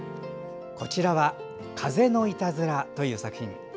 こちらは「風のいたずら」という作品。